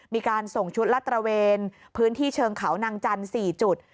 มีการส่งชุดลาดตระเวนพื้นที่เชิงเขานางจันทร์๔จุด